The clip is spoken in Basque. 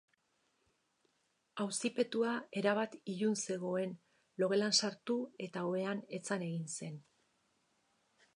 Auzipetua erabat ilun zegoen logelan sartu eta ohean etzan egin zen.